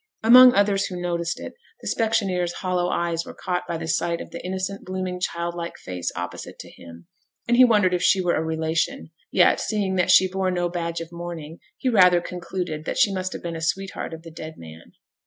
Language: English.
Among others who noticed it, the specksioneer's hollow eyes were caught by the sight of the innocent blooming childlike face opposite to him, and he wondered if she were a relation; yet, seeing that she bore no badge of mourning, he rather concluded that she must have been a sweetheart of the dead man.